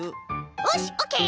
よしオッケー！